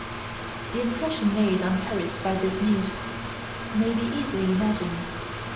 The impression made on Paris by this news may be easily imagined.